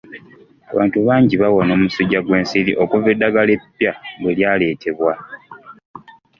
Abantu bangi bawona omusujja gw'ensiri okuva eddagala eppya bwe lyaleetebwa.